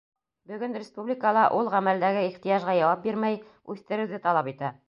Бөгөн республикала ул ғәмәлдәге ихтыяжға яуап бирмәй, үҫтереүҙе талап итә.